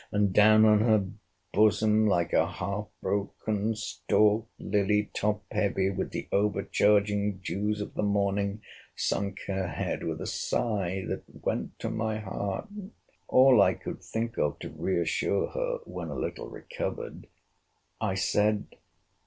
—and down on her bosom, like a half broken stalked lily top heavy with the overcharging dews of the morning, sunk her head, with a sigh that went to my heart. All I could think of to re assure her, when a little recovered, I said.